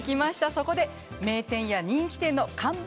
そこで名店や人気店の看板